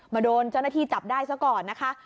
โดนเจ้าหน้าที่จับได้ซะก่อนนะคะ